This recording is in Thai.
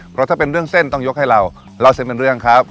เพราะถ้าเป็นเรื่องเส้นต้องยกให้เราเล่าเส้นเป็นเรื่องครับ